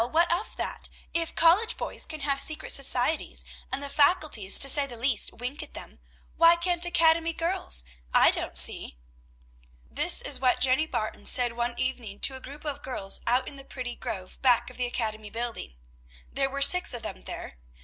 what of that! If college boys can have secret societies, and the Faculties, to say the least, wink at them, why can't academy girls? I don't see!" This is what Jenny Barton said one evening to a group of girls out in the pretty grove back of the academy building. There were six of them there.